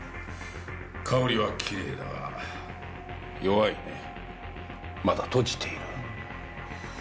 香りはきれいだが弱いねまだ閉じている。